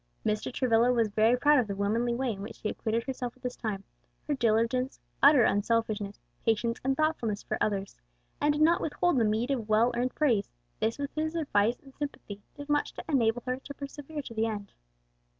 Mr. Travilla was very proud of the womanly way in which she acquitted herself at this time, her diligence, utter unselfishness, patience, and thoughtfulness for others, and did not withhold the meed of well earned praise; this with his advice and sympathy did much to enable her to persevere to the end.